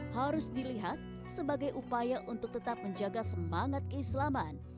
harus dilihat sebagai upaya untuk tetap menjaga semangat keislaman